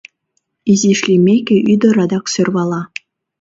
Изиш лиймеке, ӱдыр адак сӧрвала: